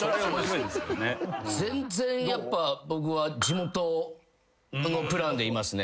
全然やっぱ僕は。のプランでいますね。